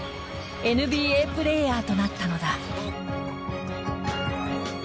ＮＢＡプレーヤーとなったのだ。